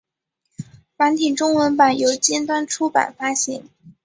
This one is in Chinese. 繁体中文版由尖端出版发行。